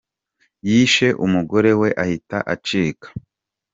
Yishe umugore we ahita acika